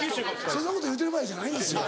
そんなこと言うてる場合じゃないんですよ。